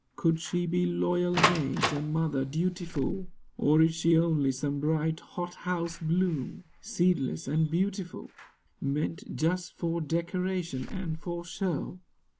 Could she be loyal mate and mother dutiful? Or is she only some bright hothouse bloom, Seedless and beautiful, Meant just for decoration, and for show?